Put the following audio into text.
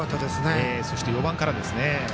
そして４番からですね。